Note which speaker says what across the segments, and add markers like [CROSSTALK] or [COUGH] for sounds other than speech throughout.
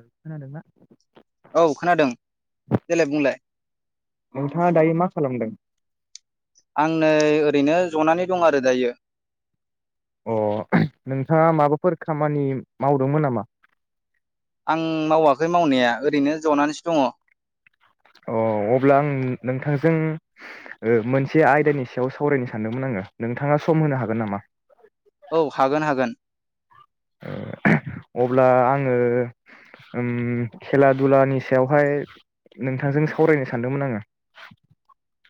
Speaker 1: औ खोनादोंब्लाा
Speaker 2: औ खोनादों देलाय बुंलाय
Speaker 1: नोंथाङा दायो मा खालामदों
Speaker 2: आं नै ओरैनो जनानै दं आरो दायो
Speaker 1: अ नोंथाङा माबाफोर खामानि मावदोंमोन नामा
Speaker 2: आं मावाखै मावनाया ओरैनो जनानैसो दङ
Speaker 1: अ' अब्ला आं नोंथांजों ओ मोनसे आयदानि सायाव सावरायनो सानदोंमोन आङो नोंथाङा सम होनो हागोन नामा?
Speaker 2: औ हागोन हागोन।
Speaker 1: अब्ला आङो उम खेला दुलानि सायावहाय नोंथांजों सावरायनो सानदोंमोन आङो।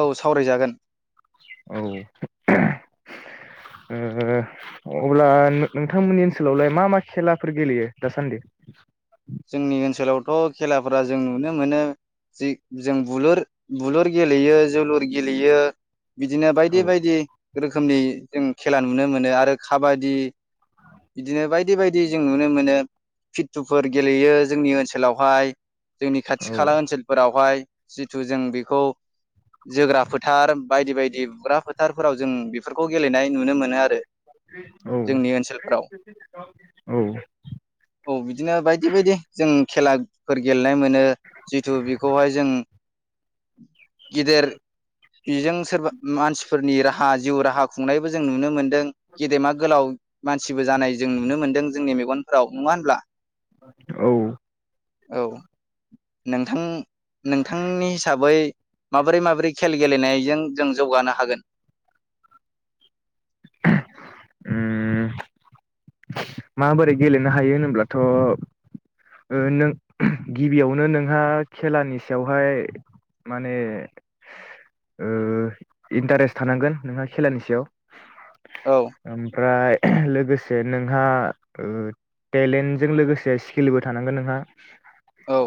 Speaker 2: औ सावरायजागोन।
Speaker 1: औ ओ अब्ला नोंथांमोननि ओनसोलावलाय मा मा खेलाफोर गेलेयो दासान्दि?
Speaker 2: जोंनि ओनसोलावथ' खेलाफोरा जों नुनो मोनो जि जों बुलुर बुलुर गेलेयो जोलुर गेलेयो बिदिनो
Speaker 1: औ
Speaker 2: बायदि बायदि रोखोमनि जों खेला नुनो मोनो आरो खाबादि बिदिनो बायदि बायदि जों नुनो मोनो फिथुफोर गेलेयो जोंनि ओनसोलावहाय जोंनि खाथि
Speaker 1: औ
Speaker 2: खाला ओनसोल फोरावहाय जिथु जों बेखौ जोग्रा फोथार बायदि बायदि बुग्रा फोथारफोराव जों बेफोरखौ गेलेनाय नुनो मोनो आरो
Speaker 1: औ
Speaker 2: जोंनि ओनसोलफोराव
Speaker 1: औ
Speaker 2: औ बिदिनो बाय दि बायदि जों खेलाफोर गेलेनाय मोनो जिथु बेखौहाय जों गेदेर बेजों सोरबा मानसिफोरनि राहा हा जिउ राहा खुंनायबो जों नुनो मोनदों गेदेमा गोलाव मानसिबो जानाय जों नुनो मोन्दों जोंनि मेगनफोराव, नङा होनब्ला?
Speaker 1: औ
Speaker 2: औ नोंथां नोंथांनि हिसाबै माबोरै माबोरै खेल गेलेनायजों जों जौगानो हागोन?
Speaker 1: उम माबोरै गेलेनो हायो होनोब्लाथ' ओ नों गिबियावनो नोंहा खेलानि सायावहाय माने ओ इन्टारेस्ट थानांगोन नोंहा खेलानि सायाव
Speaker 2: औ
Speaker 1: ओमफ्राय लोगोसे नोंहा ओ टेलेन्टजों लोगोसे स्किलबो थानांगोन नोंहा
Speaker 2: औ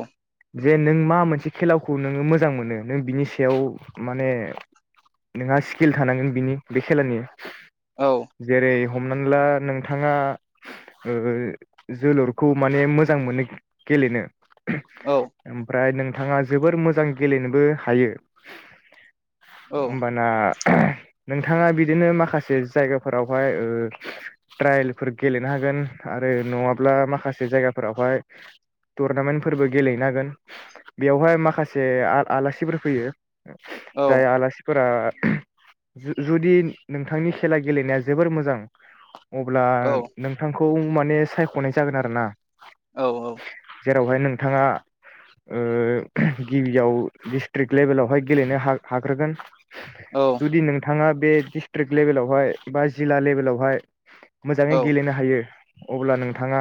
Speaker 1: जे नों मा मोनसे खेलाखौ नोङो मोजां मोनो नों बिनि सायाव माने नोंहा स्किल थानांगोन बिनि बे खेलानि
Speaker 2: औ
Speaker 1: जेरै हमनानै ला नों थाङा ओ जोलुरखौ माने मोजां मोनो गेलेनो
Speaker 2: औ
Speaker 1: ओमफ्राय नों थाङा जोबोर मोजां गेलेनोबो हायो ओमबाना नोंथाङा बिदिनो माखासे जायगाफोरावहाय ओ ट्रायलफोर गेलेनो हागोन आरो नङाब्ला माखासे जायगाफोरावहाय टुरनामेन्ट फोरबो गेलेनो हागोन बेयावहाय माखासे आ आलासिफोर फैयो
Speaker 2: औ
Speaker 1: जाय आलासि फोरा जुदि नोंथांनि खेला गेलेनाया जोबोर मोजां अब्ला
Speaker 2: औ
Speaker 1: नोंथां खौ माने सायख'नाय जागोन आरोना।
Speaker 2: औ औ।
Speaker 1: जेरावहाय नोंथाङा ओ गिबियाव डिस्ट्रिक लेभेलावहाय गेलेनो हाग्रोगोन।
Speaker 2: औ
Speaker 1: जुदि नोंथाङा। बे डिस्ट्रिक लेभेलावहाय बा जिल्ला लेभेलावहाय। मोजाङै
Speaker 2: औ
Speaker 1: गेलेनो हायो। अब्ला नोंथाङा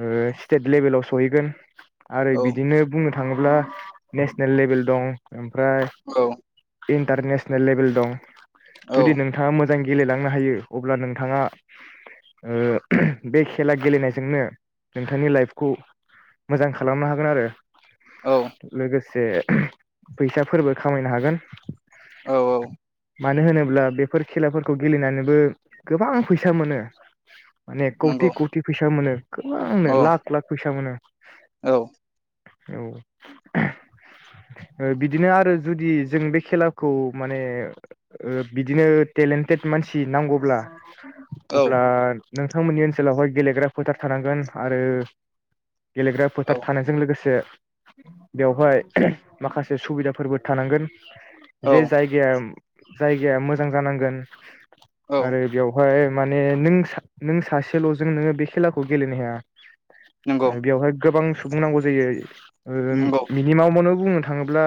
Speaker 1: ओ स्टेट लेभेलाव सहैगोन। आरो
Speaker 2: औ
Speaker 1: बिदिनो बुङो। थाङोब्ला नेसनेल लेभेल दं ओमफ्राय इन्टारनेसनेल लेभेल दं। जुदि
Speaker 2: औ
Speaker 1: नोंथाङा मोजां। मोजां गेलांनो हायो अब्ला नों। नोंथाङा ओ बे खेला गेलेनायजोंनो नोंथांनि लाइफखौ मोजां खालामनो हागोन आरो।
Speaker 2: औ
Speaker 1: लोगोसे। से फैसाफोरबो खामायनो हागोन।
Speaker 2: औ औ।
Speaker 1: मानो होनोब्ला बेफोर खेलाफोरखौ गेलेनानैबो। गोबां फैसा मोनो। माने
Speaker 2: नंगौ
Speaker 1: कौथि कौथि फैसा मोनो
Speaker 2: औ
Speaker 1: गोबांनो लाख लाख फैसा मोनो। औ बिदिनो आरो जुदि जों बे खेलाखौ माने ओ बिदिनो टेलेन्टेड मानसि नांगौब्ला।
Speaker 2: औ
Speaker 1: अब्ला। नोंथांमोननि ओनसोलावहाय गेलेग्रा फोथार थानांगोन आरो। गेलेग्रा
Speaker 2: औ
Speaker 1: फोथार थानायजों लोगोसे। बेवहाय माखासे सुबिदाफोरबो थानांगोन।
Speaker 2: औ
Speaker 1: जे जायगाया। जायगाया मोजां जानांगोन।
Speaker 2: औ
Speaker 1: आरो बेयाव। ओमफ्राय माने नों नों सासेल'जों नोङो बे खेलाखौ गेलेनो हाया।
Speaker 2: नंगौ
Speaker 1: बेवहाय गोबां। बुंनांगौ जायो।
Speaker 2: नंगौ
Speaker 1: मिनिमाम मोन बुंनो थाङोब्ला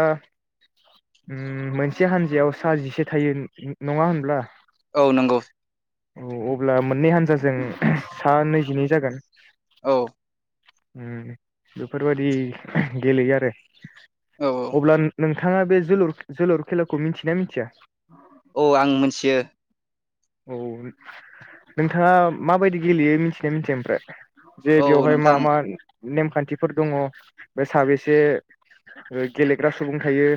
Speaker 1: मोनसे हानजायाव सा जिसे थायो नङा होनब्ला
Speaker 2: औ नंगौ।
Speaker 1: औ अब्ला मोननै हानजाजों सा नैजिनै जागोन।
Speaker 2: औ।
Speaker 1: बेफोरबायाददि गेलेयो आरो।
Speaker 2: औ
Speaker 1: अब्ला नों। नोंथाङा बे जोलुर जोलुर खेलाखौ मिथिना मिथिया।
Speaker 2: औ आं मोनथियो
Speaker 1: औ नोंथांङा माबायदि गेलेयो मिथिनाया मिथिया ओमफ्राय जे
Speaker 2: औ
Speaker 1: बेवहाय
Speaker 2: नोंथां
Speaker 1: मा-मा नेम खान्थिफोर दंङ बे साबेसे गेलेग्रा सुबुं थायो?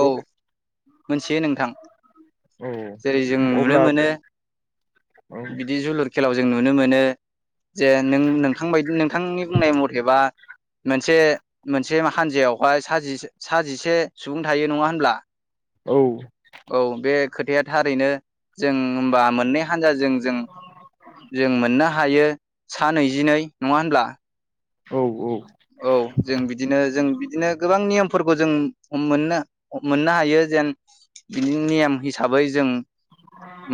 Speaker 2: औ मोनथियो नोंथां
Speaker 1: औ
Speaker 2: जेरै- जों नुनो
Speaker 1: अब्ला
Speaker 2: मोनो
Speaker 1: औ
Speaker 2: बिदि जोलुर खेलायाव जों नुनो मोनो। जे नों नोंथां बादि नों थांनि बुंनाय मथेबा मोनसे मोनसे हानजायावहाय सा जिसे सा जिसे सुबुं थायो नंङा होनब्ला?
Speaker 1: औ
Speaker 2: औ बे खोथाया थारैनो जों होनबा मोननै हानजा जों-जों-जों मोननो हा हायो सा नैजिनै नंङा होनब्ला?
Speaker 1: औ औ
Speaker 2: औ जों बिदिनो जों बिदिनो गोबां नियमफोरखौ जों हममोननो मोननो हायो जेन बिदि नियम हिसाबै जों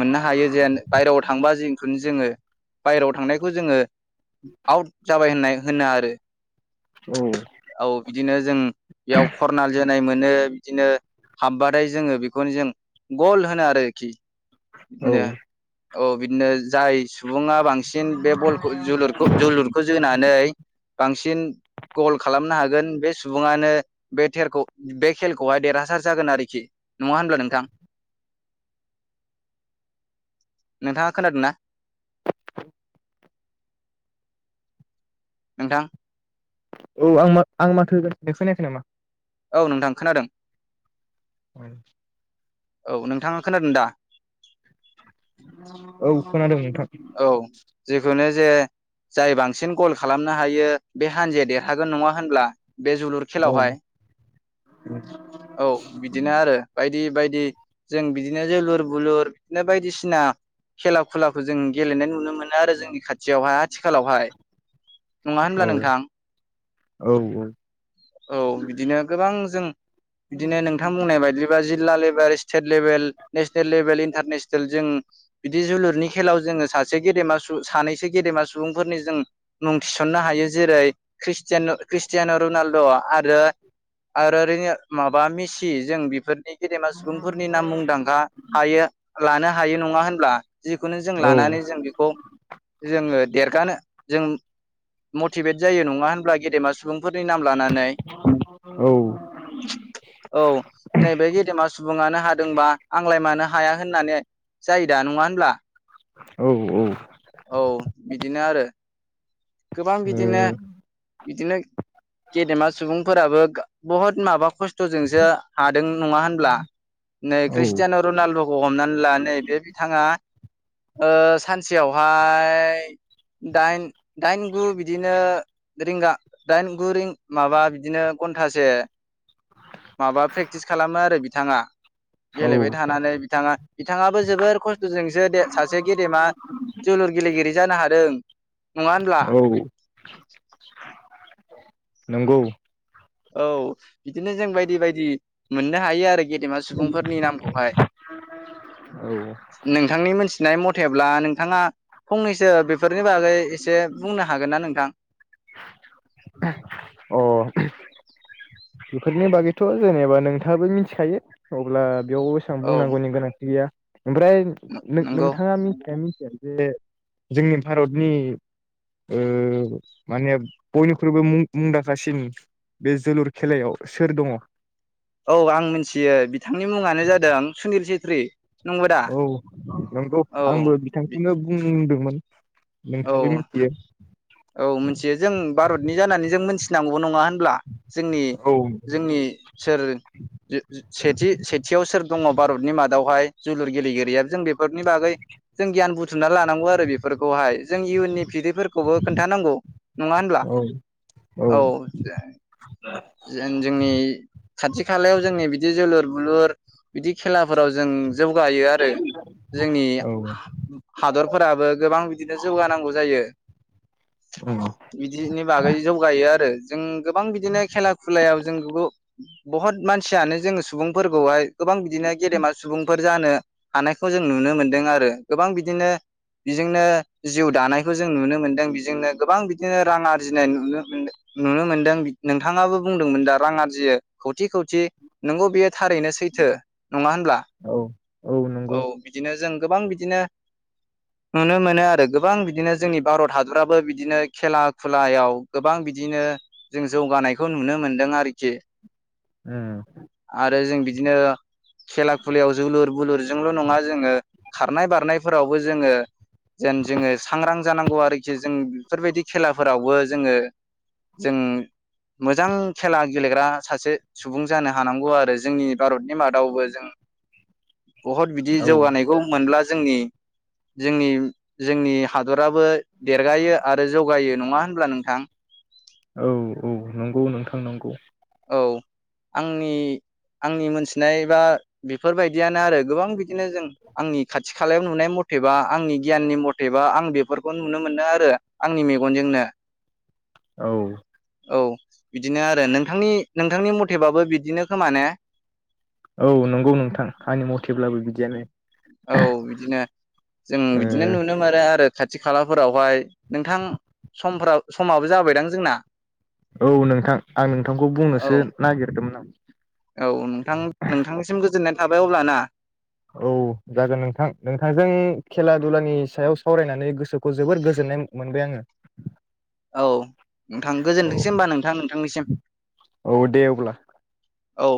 Speaker 2: मोननो हायो जेन बायहेरायाव थांबा जेखौनो जोंङो बायेराव थांनायखौ जोंङो आउट जाबाय होननाय होनो आरो ।
Speaker 1: औ
Speaker 2: औ बिदिनो जों बेयाव खरनाल जोनाय मोन नो बिदिनो हाबबाथाय जोंङो बेखौनो जों गल होनो आरोखि
Speaker 1: औ
Speaker 2: इदिनो। औ बिदिनो जाय सुंबुंङा बांसिन बे बलखौ जोलुरखौ-जोलुरखौ जोनानै बांसिन गल खालामनो हागोन बे सुबुंयानो‌ बे‌ थेरखौ बे‌खेलखौ देरहासार जागोन आरोखि नंङा होनब्ला नोंथां? नोंथाङा खोनादोंना? नोंथां
Speaker 1: औ आं आं माथो होगासिनो खौनायाखै नामा?
Speaker 2: औ नोंथां खोनादों। औ नोंथांङा खोनादों दा?
Speaker 1: औ खोनादों नों
Speaker 2: औ जेखौनो जे जाय बांसिन गल खालामनो हायो बे हानजाया देरहागोन नंङा होनब्ला? बे जोलुर
Speaker 1: औ
Speaker 2: खेलावहाय औ बिदिनो आरो बाय बिदि बायदि जों बिदिनो जोलुर बलुर बिदिनो बायदिसिना खेला खुलाखौ जों गेलेनाय नुनो मोनो आरो जोंनि खाथियावहाय आथिखालावहाय नंङा होनब्ला
Speaker 1: औ
Speaker 2: नोंथां
Speaker 1: औ औ
Speaker 2: औ बिदिनो गोबां जों बिदिनो नोंथां बुंनाय बायदिबा जि जिल्ला level state level national level international जों बिदि जोलुरनि खेलाव जोङो सासे गेदेमा सुंबुं सानैसो गेदेमा सुबुंफोरनि जों मुं थिसननो हायो जेरै ख्रिस्टियान रनाल्द आरो आरो माबा मिसि जों बेफोरनि गेदेमा सुबुंफोरनि नाम मुंदांखा हायो लानो हायो नंङा होनब्ला जिखुनु जों
Speaker 1: औ
Speaker 2: लानानै बेखौ जोङो देरगानो जों मटिभेट जायो नङा होनब्ला गेदेमा सुबुं फोरनि नाम लानानै
Speaker 1: औ
Speaker 2: औ नैबे गेदेमा सुबुंनो हादोंबा आंलाय मानो हा हाया होननानै जायो दा नङा होनब्ला
Speaker 1: औ औ
Speaker 2: औ बिदिनो आरो गोबां बिदिनो बिदिनो गेदेमा सुबुंफोराबो बहुत माबा खस्थ खथजोंसो हादों नङा होनब्ला नै ख्रिस्टियान रनालदखौ हमनानै ला नै बे बिथाङा ओ सानसेयाव ओमफ्राय दाइन दाइन गु बिदिनो रिंगा दाइन गु माबा बिदिनो घन्टासे माबा प्रेक्टिस खालामो आरो बिथाङा
Speaker 1: औ
Speaker 2: गेलेबाय थानानै बिथाङा बिथाङाबो जोबोर खस्थजोंसो दे सासे गेदेमा जोलुर गेलेगिरि जानो हादों नङा होनब्ला
Speaker 1: औ नंगौ
Speaker 2: औ बिदिनो जों बायदि बायदि मोननो हायो आरोख गेदेमा सुबुंफोरनि नामखौहाय
Speaker 1: अ
Speaker 2: नोंथांनि मोनथ नाय मथेब्ला नोंथाङा फंनैसो बेफोरनि बागै एसे बुंनो हागोन ना नोंथां
Speaker 1: अह बेफोरनि बागैथ जेनेबा नोंथाङाबो मिथिखायो अब्ला बेयाव बेसेबां
Speaker 2: औ
Speaker 1: बुंनांगौनि गोनांथि गैया ओमफ्राय
Speaker 2: नंगौ
Speaker 1: नोंथाङा मिथिया मि बे जोंनि भारतनि ओ माने बयनिख्रुइबो मुंदांखासिन बे जोलुर खेलायाव सोर दङ
Speaker 2: औ आं मिथियो बिथांनि मुङानो जादों सुनिल चेथ्रि
Speaker 1: औ नंगौ
Speaker 2: औ
Speaker 1: आंबो बिथांखौनो बुंदों [INAUDIBLE]
Speaker 2: औ
Speaker 1: नोंथाङाबो मिथियो
Speaker 2: औ मिथियो जों भारतनि जानानै जों मिथिनांगौबो नङा होनब्ला जोंनि
Speaker 1: औ
Speaker 2: जोंनि सोरथि सेथि-सेथियाव सोर दङ भारतनि मादावहाय जोलुर गेलेगिरिया जों बेफोरनि बागै जों गियान बुथुमना लानांगौ आरो बेफोरखौहाय जों इयुननि फिरिफोर खोन्थानांगौ नङा होनब्ला औ। जों जोंनि खाथि खालायाव जोंनि बिदि जोलुर बोलुर बिदि खेलाफोराव जों। जौगायो आरो जोंनि
Speaker 1: औ
Speaker 2: हादरफोराबो गोबां बिदिनो जौगानांगौ जायो।
Speaker 1: औ
Speaker 2: बिदिनि बागै जौगायो आरो। जों गोबां बिदिनो। बहुत मानसियानो जोङो सुबुंफोरखौहाय। गोबां बिदिनो गेदेमा सुबुंफोर। जानो हानायखौ जों नुनो मोनदों आरो गोबां बिदिनो बिजोंनो जिउ दानायखौ जों नुनो मोनदों बेजोंनो गोबां बिदिनो रां आरजिनाय नुनो मोनदों। नोंथांङाबो बुंदोंमोन दा रां आरजियो खौथि खौथि नंगौ बियो थारैनो सैथो। नङा होनब्ला
Speaker 1: औ
Speaker 2: औ बिदिनो जों। गोबां बिदिनो नुनो मोनो आरो गोबां बिदिनो जोंनि भारत हादराबो बिदिनो खेला खुलायाव गोबां बिदिनो जों जौगानाय। बेखौ नुनो मोनदों आरोखि।
Speaker 1: उम
Speaker 2: आरो जों बिदिनो खेला खुलायाव जोलुर बोलुरजोंल नङा जोङो खारनाय बारनाय। फोरावबो जोङो जेन जोङो सांग्रां जानांगौ आरोखि जों बेफोरबायदि खेलाफोरावबो जोङो जों। मोजां खेला गेलेग्रा सासे सुबुं जानो हानांगौ आरो जोंनि भारतनि मादावबो जों। बहुत बिदि
Speaker 1: औ
Speaker 2: जौगानायखौ मोनब्ला। जोंनि जोंनि जोंनि हादराबो। देरगायो आरो जौगायो नङा होनब्ला नोंथां।
Speaker 1: औ औ नंगौ नोंथां नंगौ।
Speaker 2: औ आंनि आंनि मोनथिनाय बा बेफोरबायदियानो आरो गोबां बिदिनो जों आंनि खाथि खालायाव नुनाय मथेबा आंनि गियाननि मथेबा आं बेफोरखौ नुनो मोनो आरो आंनि मेगनजोंनो।
Speaker 1: औ।
Speaker 2: औ बिदिनो आरो नोंथांनि नोंथांनि मथेबाबो बिदिनो खोमा ने।
Speaker 1: औ नंगौ नोंथां आंनि मथेब्लाबो बिदियानो
Speaker 2: औ बिदिनो जों
Speaker 1: ओ।
Speaker 2: बिदिनो नुनो मोनो आरो खाथि खालाफोरावहाय नोंथां समफोर समाबो जाबायदां जोंना।
Speaker 1: औ नोंथां आं नोंथांखौ
Speaker 2: औ
Speaker 1: बुंनोसो नागिरदोंमोन आं।
Speaker 2: [UNINTELLIGIBLE] अब्ला ना
Speaker 1: औ जागोन नोंथां नोंथांजों खेला दुलानि सायाव सावरायनानै गोसोखौ जोबोर गोजोननाय मोनबाय आंङो।
Speaker 2: औ नोंथां गोजोनथोंसै होनबा नोंथां नोंथांनिसिम।
Speaker 1: औ दे अब्ला
Speaker 2: औ।